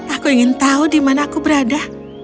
aku ingin tahu di mana aku berada